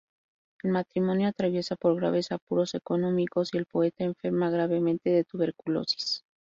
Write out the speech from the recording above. El matrimonio atraviesa por graves apuros económicos y el poeta enferma gravemente de tuberculosis.